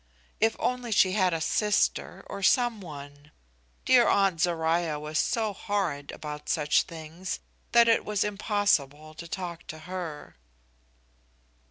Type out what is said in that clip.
If only she had a sister, or some one! Dear Aunt Zoruiah was so horrid about such things that it was impossible to talk to her!